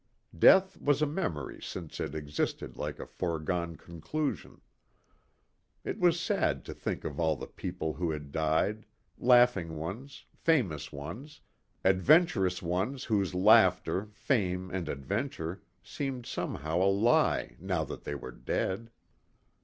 Death was a memory since it existed like a foregone conclusion. It was sad to think of all the people who had died, laughing ones, famous ones, adventurous ones whose laughter, fame and adventure seemed somehow a lie now that they were dead.